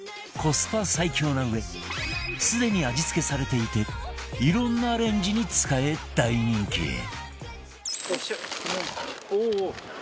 コスパ最強なうえすでに味付けされていていろんなアレンジに使え大人気